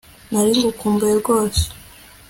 Naragukumbuye rwose